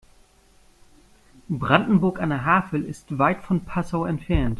Brandenburg an der Havel ist weit von Passau entfernt